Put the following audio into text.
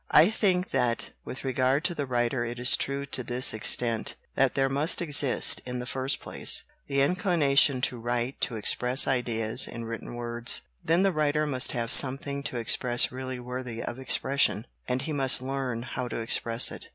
I think that with regard to the writer it is true to this extent, that there must 76 WHAT IS GENIUS? exist, in the first place, the inclination to write, to express ideas in written words. Then the writer must have something to express really worthy of expression, and he must learn how to express it.